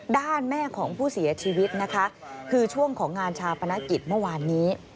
ด้านแม่ของผู้เสียชีวิตนะคะคือช่วงของงานชาปนกิจเมื่อวานนี้